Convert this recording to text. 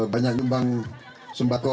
banyak nyumbang sembako